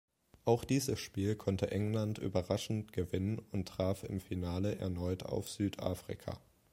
Auch dieses Spiel konnte England überraschend gewinnen und traf im Finale erneut auf Südafrika.